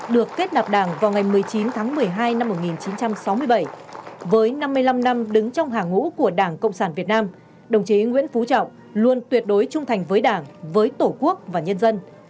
được kết nạp đảng vào ngày một mươi chín tháng một mươi hai năm một nghìn chín trăm sáu mươi bảy với năm mươi năm năm đứng trong hàng ngũ của đảng cộng sản việt nam đồng chí nguyễn phú trọng luôn tuyệt đối trung thành với đảng với tổ quốc và nhân dân